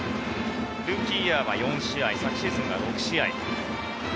ルーキーイヤーは４試合昨シーズンが６試合。